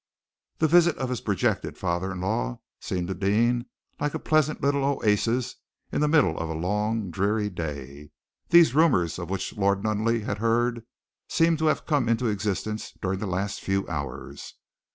The visit of his projected father in law seemed to Deane like a pleasant little oasis in the middle of a long, dreary day. These rumors of which Lord Nunneley had heard seemed to have come into existence during the last few hours.